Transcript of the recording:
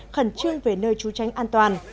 khẩn trương về nơi trú tránh an toàn